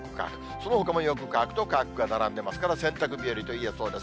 そのほかも、よく乾くと乾くが並んでますから、洗濯日和といえそうです。